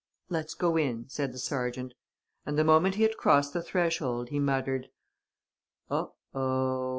"Let's go in," said the sergeant. And, the moment he had crossed the threshold, he muttered: "Oho!